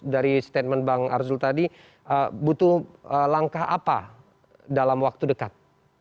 dari statement bang arzul tadi butuh langkah apa dalam waktu dekat